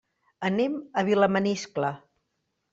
Anem a Vilamaniscle.